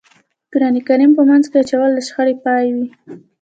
قرآن کریم په منځ کې اچول د شخړې پای وي.